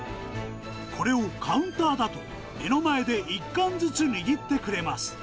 これをカウンターだと、目の前で一貫ずつ握ってくれます。